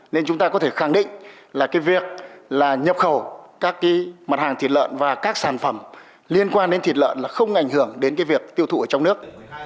nên chúng ta có thể khẳng định là cái việc là nhập khẩu các cái mặt hàng thịt lợn và các sản phẩm liên quan đến thịt lợn là không ảnh hưởng đến cái việc tiêu thụ ở trong nước